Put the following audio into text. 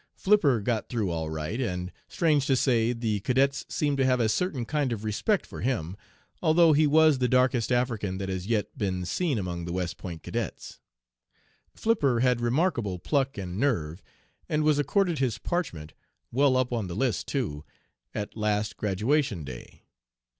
Flipper got through all right, and, strange to say, the cadets seem to have a certain kind of respect for him, although he was the darkest 'African' that has yet been seen among the West Point cadets. Flipper had remarkable pluck and nerve, and was accorded his parchment well up on the list, too at last graduation day.